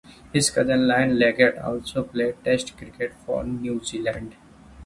His cousin Ian Leggat also played Test cricket for New Zealand.